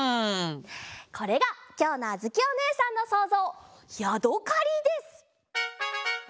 これがきょうのあづきおねえさんのそうぞう「ヤドカリ」です！